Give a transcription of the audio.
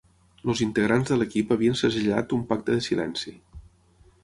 Els integrants de l'equip havien segellat un pacte de silenci.